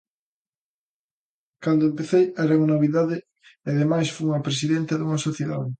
Cando empecei era unha novidade e ademais fun a presidenta dunha sociedade.